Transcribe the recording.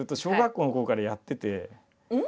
うん？